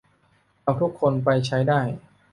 เราทุกคนไปใช้ได้